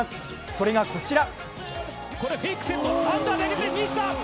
それがこちら。